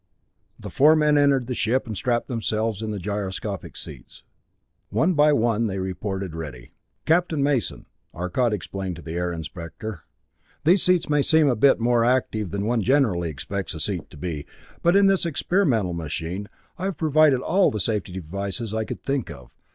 The four men entered the ship and strapped themselves in the gyroscopic seats. One by one they reported ready. "Captain Mason," Arcot explained to the Air Inspector, "these seats may seem to be a bit more active than one generally expects a seat to be, but in this experimental machine, I have provided all the safety devices I could think of.